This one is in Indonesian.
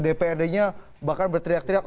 dprd nya bahkan berteriak teriak